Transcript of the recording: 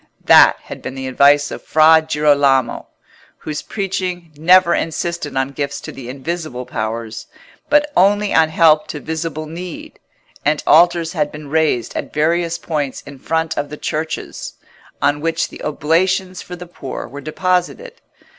That had been the advice of Fra Girolamo, whose preaching never insisted on gifts to the invisible powers, but only on help to visible need; and altars had been raised at various points in front of the churches, on which the oblations for the poor were deposited.